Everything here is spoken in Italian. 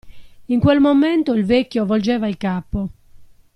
In quel momento il vecchio volgeva il capo.